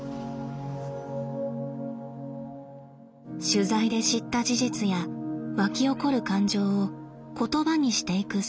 取材で知った事実や沸き起こる感情を言葉にしていく作業。